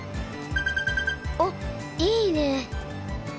おっいいね。